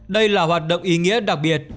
đây là hoạt động ý nghĩa đặc biệt